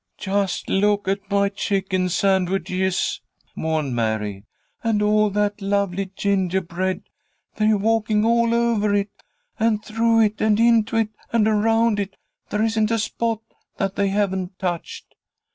"Just look at my chicken sandwiches," mourned Mary, "and all that lovely gingerbread. They're walking all over it and through it and into it and around it. There isn't a spot that they haven't touched!"